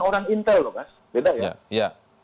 orang intel loh mas beda ya